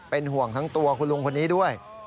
เป็นห่วงทั้งตัวคุณลุงคนนี้ด้วย